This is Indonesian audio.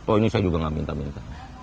oh ini saya juga nggak minta minta